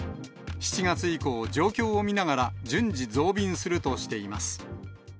７月以降、状況を見ながら順次、増便するとしています。